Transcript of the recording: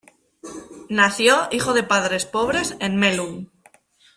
Nació, hijo de padres pobres, en Melun.